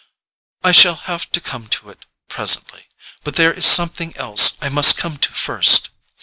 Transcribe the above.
"I shall have to come to it—presently. But there is something else I must come to first."